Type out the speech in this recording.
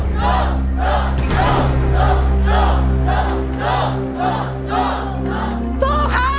สู้ค่ะ